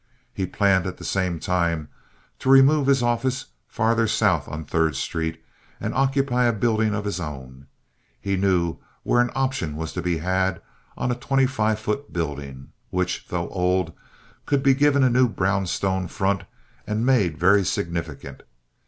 He planned at the same time to remove his office farther south on Third Street and occupy a building of his own. He knew where an option was to be had on a twenty five foot building, which, though old, could be given a new brownstone front and made very significant.